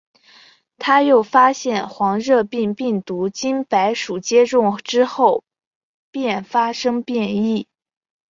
他又发现黄热病病毒经白鼠接种之后便发生变异。